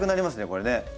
これね。